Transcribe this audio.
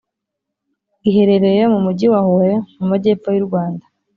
iherereye mu mujyi wa Huye mu majyepfo y’u Rwanda.